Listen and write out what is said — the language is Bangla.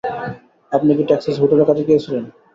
আপনি কি টেক্সাসে হোটেলের কাজে গিয়েছিলেন?